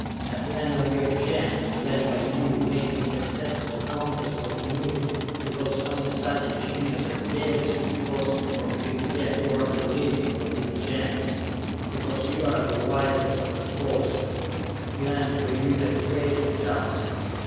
I planned on your Gens, led by you, making a successful conquest of the Moon because only such a genius as Dalis could force from this dead world a living for his Gens! Because you are the wisest of the Spokesmen, I planned for you the greatest task!